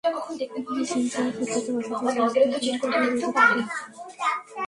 ইবলীস হিংসা ও শত্রুতাবশত সিজদা করা থেকে বিরত থাকে।